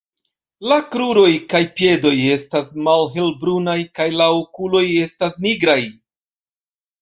La kruroj kaj piedoj estas malhelbrunaj kaj la okuloj estas nigraj.